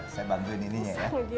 saya bantuin ini ya